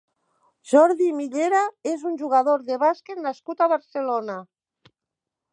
Jordi Millera és un jugador de bàsquet nascut a Barcelona.